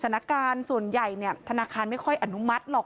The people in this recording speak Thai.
สถานการณ์ส่วนใหญ่ธนาคารไม่ค่อยอนุมัติหรอก